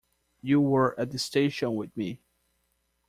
You were at the station with me.